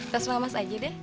tas mahamas aja deh